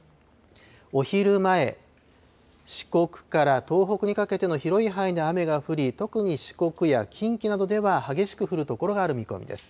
お昼前、四国から東北にかけての広い範囲で雨が降り、特に四国や近畿などでは激しく降る所がある見込みです。